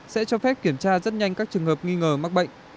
sẽ cho phép kiểm tra rất nhanh các trường hợp nghi ngờ mắc bệnh